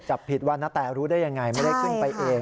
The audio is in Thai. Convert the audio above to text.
จับผิดว่านาแตรู้ได้ยังไงไม่ได้ขึ้นไปเอง